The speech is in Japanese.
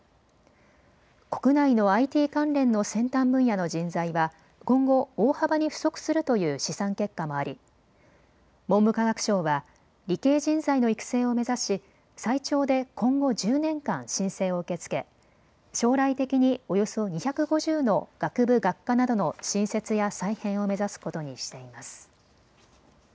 国内のＩＴ関連の先端分野の人材は今後、大幅に不足するという試算結果もあり文部科学省は理系人材の育成を目指し最長で今後１０年間申請を受け付け将来的におよそ２５０の学部、学科などの新設や再編を目指すことにしています。